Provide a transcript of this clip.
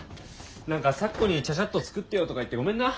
何か咲子に「ちゃちゃっと作ってよ」とか言ってごめんな。